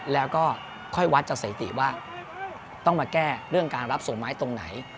แล้วก็ค่อยวัดจากสถิติว่าต้องมาแก้เรื่องการรับส่วนไม้ตรงไหน